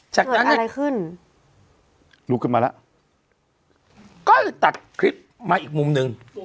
จากนั้นเกิดอะไรขึ้นลุกขึ้นมาแล้วก็ตัดคลิปมาอีกมุมหนึ่ง